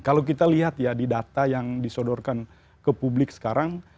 kalau kita lihat ya di data yang disodorkan ke publik sekarang